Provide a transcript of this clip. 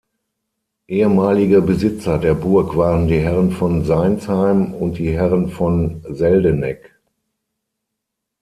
Ehemalige Besitzer der Burg waren die Herren von Seinsheim und die Herren von Seldeneck.